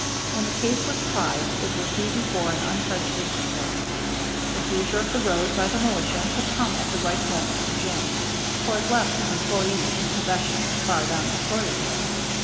When the case was tried it would be before an unprejudiced court. The seizure of the road by the militia had come at the right moment for Jim, for it left his employees in possession as far down as Sawyerville.